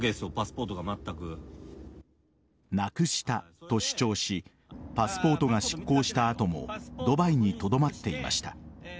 なくしたと主張しパスポートが失効した後もドバイにとどまっていました。